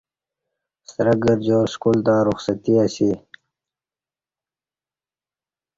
شترک گرجار سکول تہ رخصتی اسی